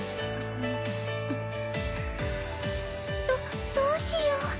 どどうしよう？